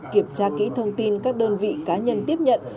kiểm tra kỹ thông tin các đơn vị cá nhân tiếp nhận